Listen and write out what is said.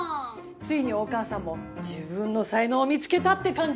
ついにお母さんも自分のさいのうを見つけたって感じ！